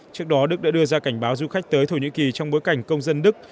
trước đó đức đã đưa ra cảnh báo du khách tới thổ nhĩ kỳ trong bối cảnh công dân đức